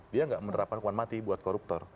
dia nggak menerapkan hukuman mati buat koruptor